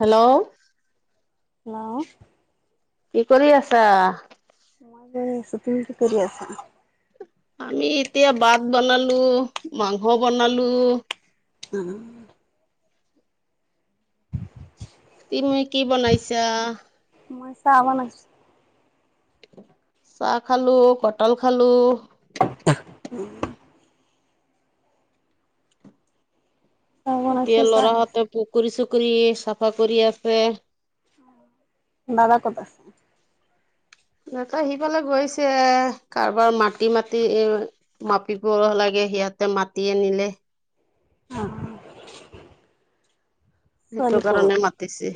Hello. Hello. কি কৰি আছা? এনে আছু তুমি কি কৰি আছা? আমি এতিয়া ভাত বনালোঁ, মাংস বনালোঁ, [inaudible] তুনি কি বনাইছা? মই চাহ বনাইছো। চাহ খালোঁ, কটাল খালোঁ, [inaudible] এতিয়া ল'ৰাহঁতে পুখুৰী-চুখুৰি চাফা কৰি আছে। উ। দাদা ক'ত আছে? নেতা সিফালে গৈছে কাৰোবাৰ মাটি-মাটি মাপিব লাগে সিহঁতে মাতি আনিলে অ। সেইটো কাৰণে মাতিছে।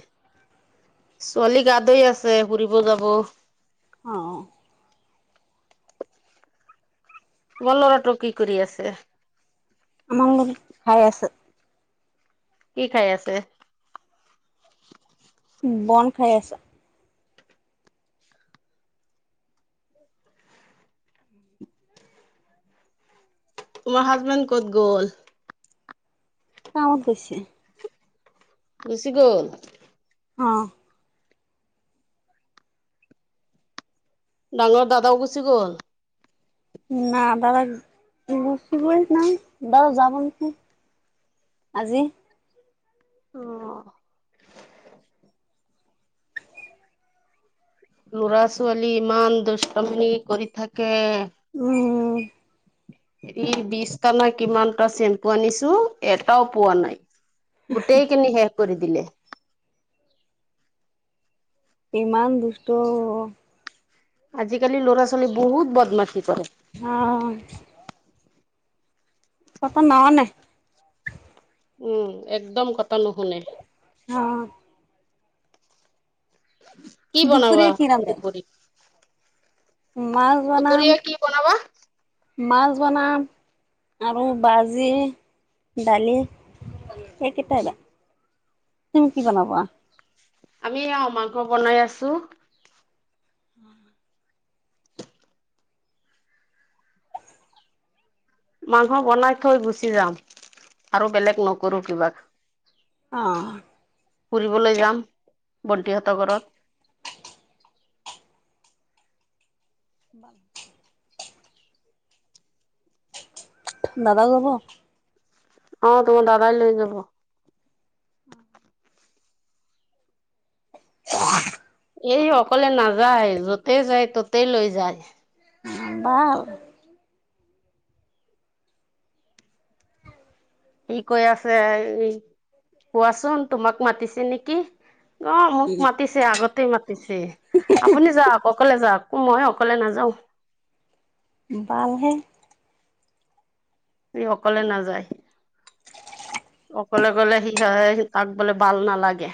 ছোৱালী গা ধুই আছে ফুৰিব যাব। অ। তোমাৰ ল'ৰাটো কি কৰি আছে? আমাৰ খাই আছে। কি খাই আছে? বন খাই আছে। তোমাৰ হাজবেণ্ড ক'ত গ'ল? টাউনত গৈছে। ৰুচি গ'ল? অ। ডাঙৰ দাদাও গুচি গ'ল? [unintelligible] যাব নেকি। আজি ল'ৰা ছোৱালী ইমান দুষ্টামনি কৰি থাকে। উম। ই বিশটা না কিমানটা চেম্পু আনিছো এটাও পোৱা নাই গোটেই কেনি শেষ কৰি দিলে। ইমান দুষ্ট আজিকালি ল'ৰা ছোৱালী বহুত বদমাছি কৰে। আহ কথা না শুনে। উম একদম কথা নুশুনে। অ। কি বনাবা দুপৰীয়া কি এই ৰান্ধে দুপৰি? মাছ বনাম। দুপৰীয়া কি বনাবা মাছ বনাম আৰু ভাজি দালি। সেইকেইটা তুমি কি বনাবা? আমি এয়া মাংস বনাই আছোঁ। [inaudible] মাংস বনাই থৈ গুচি যাম আৰু বেলেগ নকৰো কিবা। অঁ। ফুৰিবলৈ যাম বন্তিহঁতৰ ঘৰত। [inaudible] দাদা যাব। অ তো দাদাই লৈ যাব। এই অকলে নাযায় য'তে যায় ততেই লৈ যায়। ভাল। সি কৈ আছে, কোৱাচোন তোমাক মাতিছে নেকি। অ মোক মাতিছে। আগতে মাতিছে, আপুনি যাওঁক অকলে যাওঁক মই অকলে নাযাও। বাল হে। সি অকলে নাযায়। অকলে গলে সি হয় তাক বোলে বাল নালাগে।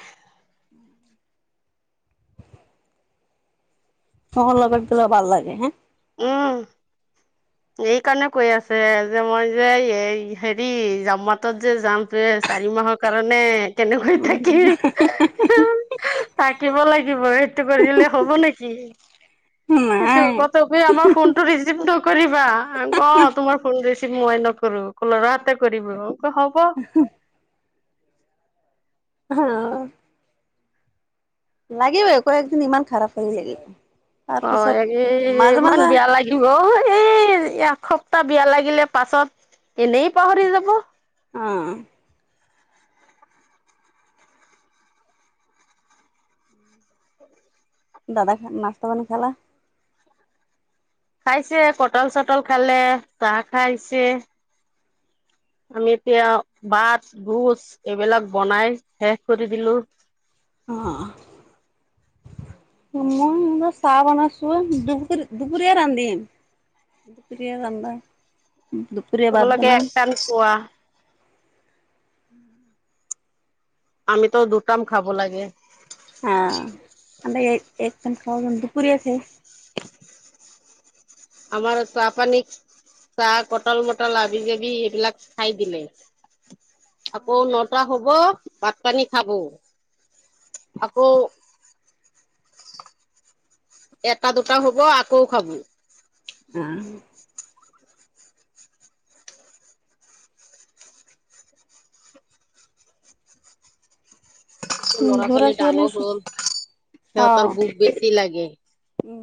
সহ লগত গ'লে ভাল লাগে হে। উম। এই কাৰণে কৈ আছে, যে মই যে এই হেৰি জামাত যে যাম যে চাৰি মাহৰ কাৰণে উ কেনেকৈ থাকিম। থাকিব লাগিব সেইটো কৰিলে হব নেকি। নাই কতপি আমাৰ ফোনটো ৰিচিভ ত কৰিবা অ তোমাৰ ফোন ৰিচিভ মই নকৰো, লৰা হতে কৰিব ক হব। [unintelligible] লাগিবই আকৌ একজনী ইমান খাৰাপ হেৰি। অ এই ইমান বেয়া লাগ অ এই এসপ্তাহ বেয়া লাগিলে পাছত এনেই পাহৰি যাব। অ। দাদাক নাচতা পানী খালা। খাইছে পটল চটল খালে, চাহ খাই আহিছে। আমি এতিয়া ভাত গোছ এইবিলাক বনাই শেষ কৰি দিলো। অ। মই যেনিবা চাহ বনাইছো, দু দুপুুৰীয়া ৰান্ধিম। দূপৰীয়া ৰান্ধবা উম দুপ তোমালোকে এক টাইম খোৱা। আমিত দু টাইম খাব লাগে। অ, আমি এক এক টাইম খাওঁ দূপৰীয়া কে। [inaudible] আমাৰ তা পানীক চাহ কটল মটল হাবি-যাবি সেইবিলাক খাই দিলে। আকৌ নটা হ'ব, ভাত- পানী খাব, আকৌ- এটা দুটা হ'ব, আকৌ খাব। আহ। ল'ৰা ছোৱালী ডাঙৰ হ'ল, সিহঁতৰ ভুক বেছি লাগে। উম,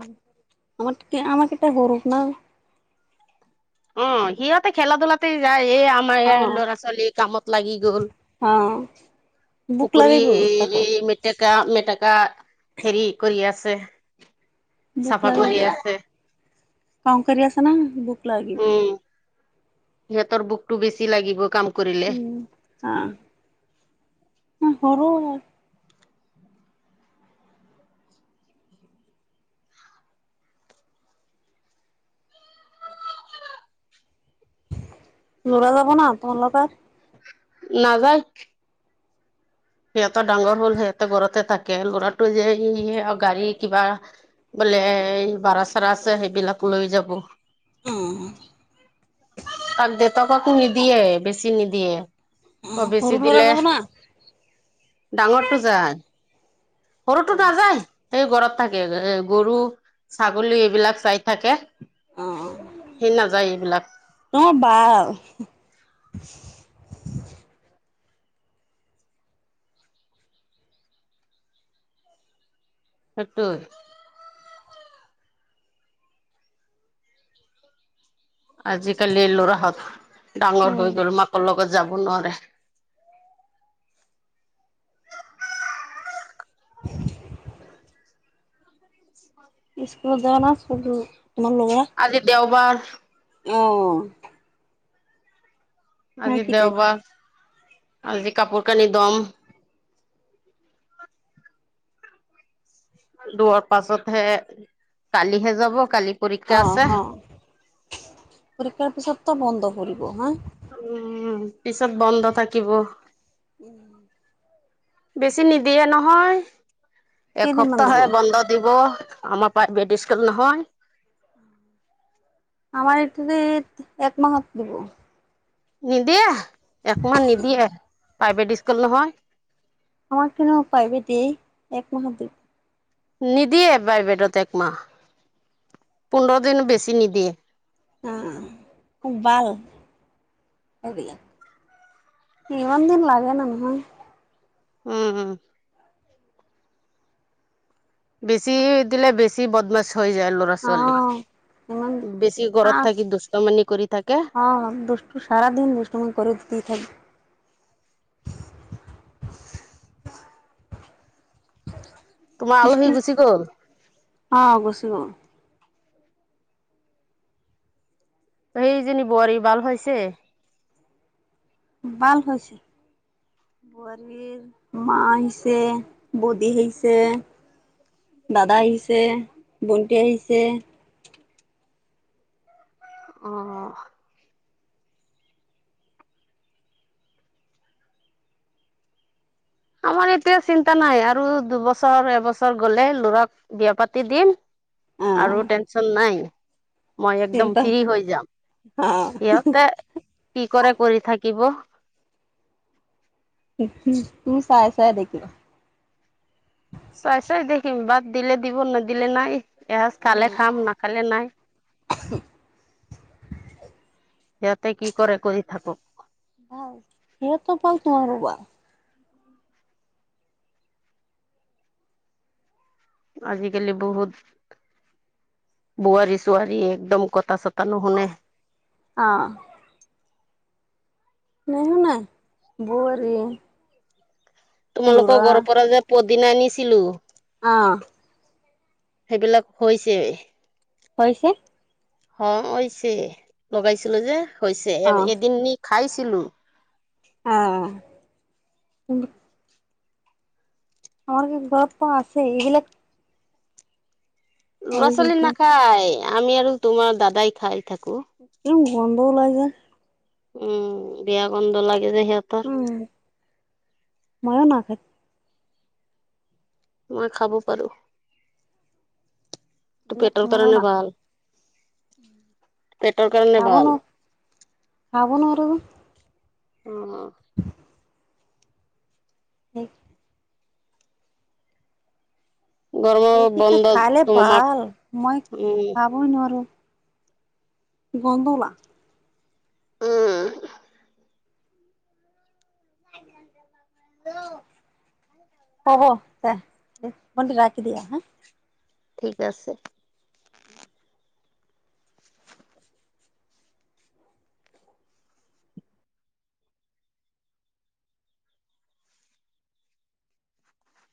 আমাতকে আমাৰ কেইটা সৰুত না? অ সিহঁতে খেলা ধূলাতে যায় এই- আমাৰ ইয়াৰ ল'ৰা ছোৱালী কামত লাগি গ'ল। অঁহ। পুখুৰী হেৰি মেটেকা মেটেকা, হেৰি কৰি আছে। ভুক চাফা লাগিব, কৰি আছে কাম কাৰি আছা না ভুক লাগিব। উম সিহঁতৰ ভুকটো বেছি লাগিব কাম- কৰিলে উম হা, উম সৰু। ল'ৰা যাব না তোমাৰ লগত? নাযায়। সিহঁতৰ ডাঙৰ হ'ল সিহঁতৰ ঘৰতে থাকে ল'ৰাটো যে এই গাড়ী কিবা- বোলে এই ভাৰা চাৰা আছে সেইবিলাক লৈ যাব। উম। তাক দেউতাকো নিদিয়ে বেছি নিদিয়ে, আকৌ বেছি সৰু ল'ৰা যাব দিলে- না ডাঙৰটো যায়, সৰুটো নাযায়। সি ঘৰত থাকে এ গৰু ছাগলী এইবিলাক চাই থাকে। অ সি নাযায় এইবিলাক। অ বাল। সেইটো। আজিকালি লৰাহঁত, ডাঙৰ উম হৈ গ'ল মাকৰ লগত যাব নোৱাৰে। [unintelligible] অ। স্কুলত যায় না স্কুল তোমাৰ ল'ৰা? আজি দেওবাৰ। উম। নাই আজি কি টাইপ দেওবাৰ, আজি কাপোৰ কানি দম। দুৱাৰ পাছতহে, কালিহে যাব কালি। পৰীক্ষা অ আছে। অ, পৰীক্ষাৰ পিছত তো বন্ধ কৰিব হা। উম পিছত বন্ধ থাকিব। উম। বেছি নিদিয়ে নহয়, কেইদিনমান এসপ্তাহ দিব হে বন্ধ- দিব আমাৰ প্ৰাইভেট স্কুল নহয়। আমাৰ এই ফালে একমাহত দিব। নিদিয়ে, একমাহ নিদিয়ে, প্ৰাইভেট স্কুল নহয়। আমাৰ পিনে প্ৰাইভেট দেই এক মাহত দিয়ে। নিদিয়ে প্ৰাইভেটত একমাহ, পোন্ধৰ দিন বেছি নিদিয়ে। উম উম খুব ভাল, সেইবিলাক। ইমান দিন লাগে নহয়। উম উম। বেছি দিলে বেছি বদমাছ হৈ যায়। আ ছোৱালী, অহ ইমান বেছি ঘৰত আহ থাকি দুষ্টমানি কৰি থাকে। অ দুষ টো চাৰা দিন দুষ্টামি কৰি দি থাকে। তোমাৰ আলহী গুচি গ'ল [unintelligible] অ গছু। সেইজনী বোৱাৰী বাল হৈছে। বাল হৈছে। বোৱাৰীৰ মা আহিছে, বদী আহিছে দাদা আহিছে, ভণ্টি আহিছে। অ অহ। আমাৰ এতিয়া চিন্তা নাই আৰু দুবছৰ, এবছৰ গলে লৰাক বিয়া পাতি দিম আহ আৰু টেনচন নাই। মই একদম চিন্তা ফ্ৰী হৈ যাম, অ সিহঁতে কি কৰে কৰি থাকিব। [unintelligible] চাই চাই দেখি। চাই চাই দেখিম, ভাত দিলে দিব নেদিলে নাই, এসাঁজ খালে খাম, নাখালে নাই। অ হু। সিহঁতে কি কৰে কৰি থাকক। অ। সেইটো পাল তুমি ৰোবা। আজিকালি বহুত বোৱাৰী - চুুৱাৰী একদম কথা - চথা নশুনে। আ। নেশুনে বোৱাৰীয়ে। তোমালোকৰ ঘৰৰ পৰা যে পদিনা আনিছিলো। অ। সেইবিলাক হৈছে। হৈছে। হ হৈছে, লগাইছিলো যে হৈছে অ এব এদিন নি খাইছিলো। অ। [unintelligible] আমাৰ কি দৰৱ ত আছে এইবিলাক ল'ৰা - ছোৱালী নাখায়, আমি আৰু তোমাৰ দাদাই খাই থাকো। উম, গন্ধ ওলাই যায়। উম, বেয়া গন্ধ লাগে যে সিহঁত মইও। [unintelligible] মই খাব পাৰো। তোৰ এইবিলাক পেটৰ ময়ো কাৰণে নাখায় ভাল, পেটৰ কাৰণে খাব ন ভাল। খাব নোৱাৰোঁ। অ অ। সেই গৰমৰ সেইকেইটা বন্ধত খালে তোমাৰ মাক ভাল, মই উম খাব নোৱাৰোঁ। গন্ধলা। উম। [unintelligible] অহ দে দে ভণ্টি ৰাখি দিয়া হা। ঠিক আছে।